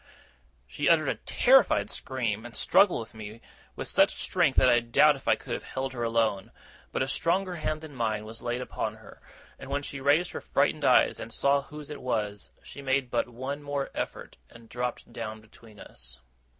She uttered a terrified scream, and struggled with me with such strength that I doubt if I could have held her alone. But a stronger hand than mine was laid upon her; and when she raised her frightened eyes and saw whose it was, she made but one more effort and dropped down between us.